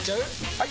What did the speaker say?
・はい！